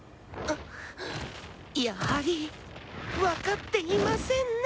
やはりわかっていませんね。